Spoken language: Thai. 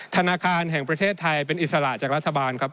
ธนาคารแห่งประเทศไทยเป็นอิสระจากรัฐบาลครับ